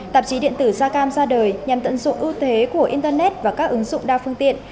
tạp chí điện tử da cam ra đời nhằm tận dụng ưu thế của internet và các ứng dụng đa phương tiện